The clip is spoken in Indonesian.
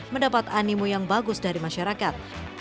mendapat animu yang bagus dari masyarakat